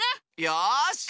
よし。